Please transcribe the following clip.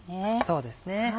そうですね。